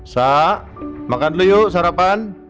sa makan dulu yuk sarapan